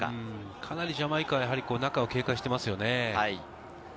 かなりジャマイカは中を危険視しています。